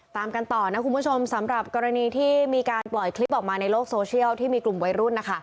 ตามกันต่อนะคุณผู้ชมสำหรับกรณีที่มีการปล่อยคลิปออกมาในโลกโซเชียลที่มีกลุ่มวัยรุ่น